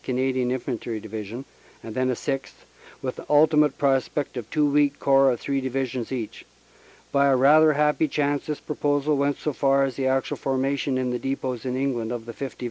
Canadian Infantry Divi sion, and then a sixth, with the ultimate prospect of two weak Corps of three Divisions each. By a rather happy chance this proposal went so far as the actual formation in the depots in England of the 5th.